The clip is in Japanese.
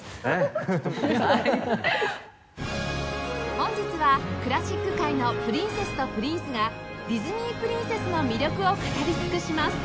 本日はクラシック界のプリンセスとプリンスがディズニープリンセスの魅力を語り尽くします。